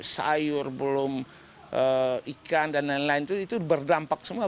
sayur belum ikan dan lain lain itu berdampak semua